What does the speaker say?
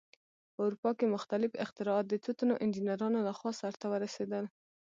په اروپا کې مختلف اختراعات د څو تنو انجینرانو لخوا سرته ورسېدل.